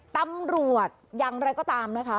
ตำรวจอย่างไรก็ตามนะคะ